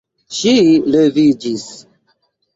Ŝi leviĝis.